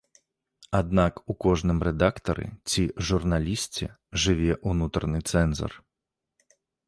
Аднак у кожным рэдактары ці журналісце жыве ўнутраны цэнзар.